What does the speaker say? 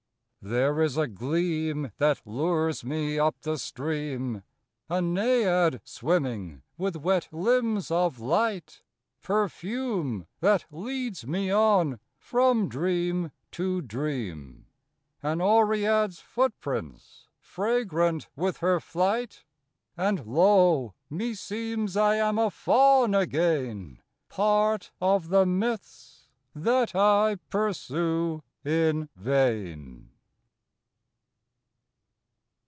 There is a gleam that lures me up the stream A Naiad swimming with wet limbs of light? Perfume, that leads me on from dream to dream An Oread's footprints fragrant with her flight? And, lo! meseems I am a Faun again, Part of the myths that I pursue in vain.